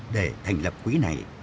để thành lập quỹ này